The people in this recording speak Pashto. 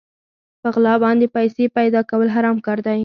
په غلا باندې پيسې پيدا کول حرام کار دی.